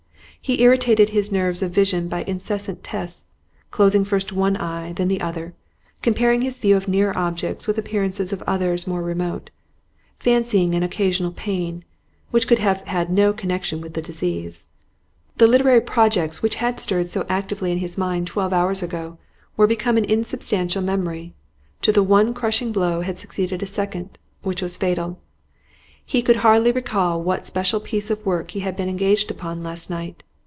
He irritated his nerves of vision by incessant tests, closing first one eye then the other, comparing his view of nearer objects with the appearance of others more remote, fancying an occasional pain which could have had no connection with his disease. The literary projects which had stirred so actively in his mind twelve hours ago were become an insubstantial memory; to the one crushing blow had succeeded a second, which was fatal. He could hardly recall what special piece of work he had been engaged upon last night.